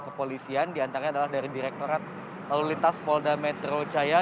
kepolisian diantaranya adalah dari direktorat lalu lintas polda metro jaya